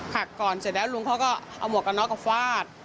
หักก่อนเสร็จแล้วลุงเขาก็เอาหมวกกันน็อกเอาฟาด